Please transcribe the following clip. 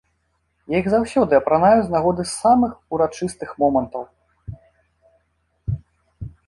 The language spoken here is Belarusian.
Я іх заўсёды апранаю з нагоды самых урачыстых момантаў.